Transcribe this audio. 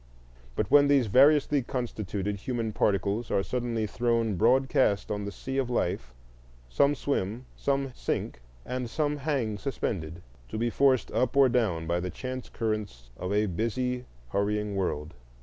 But when these variously constituted human particles are suddenly thrown broadcast on the sea of life, some swim, some sink, and some hang suspended, to be forced up or down by the chance currents of a busy hurrying world.